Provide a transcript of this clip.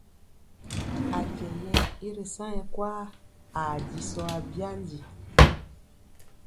Ajɛ yɛ i ri sa nyɛ kwaa, ajisɔ abyandi.